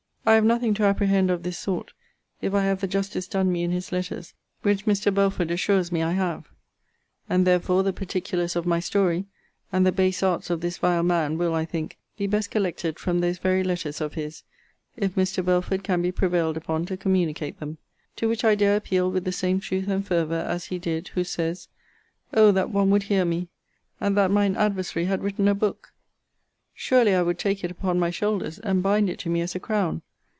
I have nothing to apprehend of this sort, if I have the justice done me in his letters which Mr. Belford assures me I have: and therefore the particulars of my story, and the base arts of this vile man, will, I think, be best collected from those very letters of his, (if Mr. Belford can be prevailed upon to communicate them;) to which I dare appeal with the same truth and fervour as he did, who says O that one would hear me! and that mine adversary had written a book! Surely, I would take it upon my shoulders, and bind it to me as a crown!